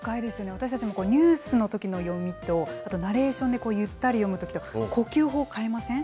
私たちもニュースのときの読みと、あとナレーションでゆったり読むときと、呼吸法変えません？